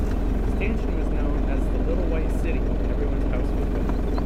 Stanton was known as the Little White City when everyone's house was white.